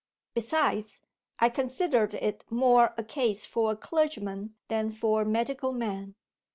Besides, I considered it more a case for a clergyman than for a medical man.